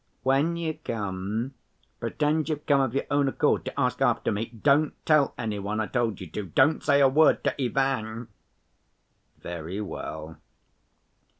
"When you come, pretend you've come of your own accord to ask after me. Don't tell any one I told you to. Don't say a word to Ivan." "Very well."